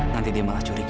nanti dia malah curiga